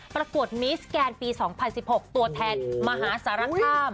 ประกวดมิสแกนปี๒๐๑๖ตัวแทนมหาสารคาม